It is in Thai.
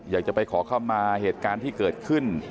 อยากจะไปขอเข้ามาเหตุการณ์ที่เกิดขึ้น